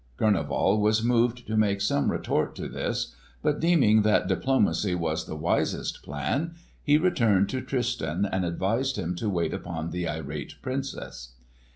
Kurneval was moved to make some retort to this, but deeming that diplomacy was the wisest plan he returned to Tristan and advised him to wait upon the irate Princess.